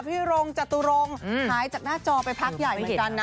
รงจตุรงค์หายจากหน้าจอไปพักใหญ่เหมือนกันนะ